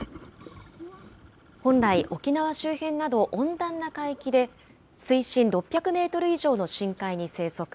本来、沖縄周辺など温暖な海域で、水深６００メートル以上の深海に生息。